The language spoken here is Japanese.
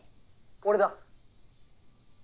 俺だ。